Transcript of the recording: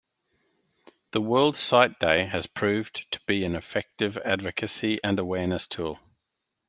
The World Sight Day has proved to be an effective advocacy and awareness tool.